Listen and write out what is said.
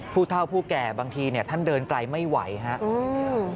ผู้เท่าผู้แก่บางทีเนี่ยท่านเดินไกลไม่ไหวครับ